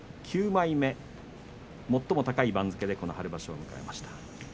９枚目、最も高い番付で春場所を迎えました。